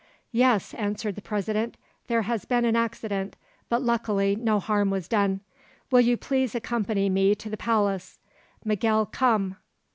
"Yes," answered the President; "there has been an accident, but luckily no harm was done. Will you please accompany me to the palace? Miguel, come!"